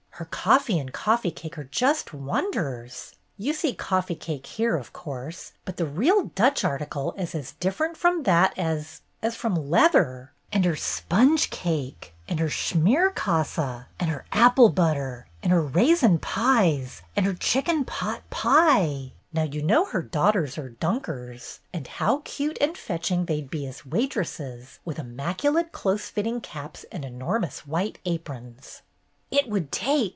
Her coffee and coffee cake are just wonders. You see coffee cake here, of course, but the real Dutch article is as different from that as — as — from leather ! And her sponge cake ! And her schmier kase I And her apple butter ! And her raisin pies 1 And her chicken pot pie! Now you know her daughters are Dunkers, and how cute and fetching they'd be as waitresses with immaculate close fit ting caps and enormous white aprons!" "It would take!